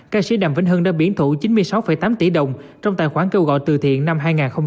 ca sĩ đàm vĩnh hưng đã biển thủ chín mươi sáu tám tỷ đồng trong tài khoản kêu gọi từ thiện năm hai nghìn hai mươi ba